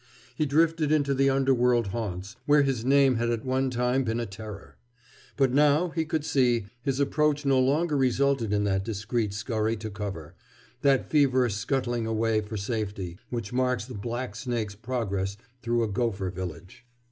He drifted into the underworld haunts where his name had at one time been a terror. But now, he could see, his approach no longer resulted in that discreet scurry to cover, that feverish scuttling away for safety, which marks the blacksnake's progress through a gopher village.